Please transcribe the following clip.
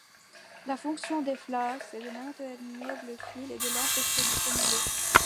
La fonction des flasques, est de maintenir le fil et de l’empêcher de s’emmêler.